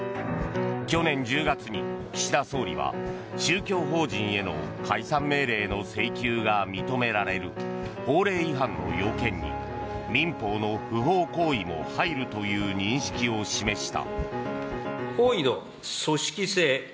去年１０月に岸田総理は宗教法人への解散命令の請求が認められる法令違反の要件に民法の不法行為も入るという認識を示した。